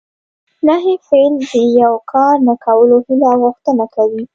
نهي فعل د یو کار نه کولو هیله او غوښتنه کوي.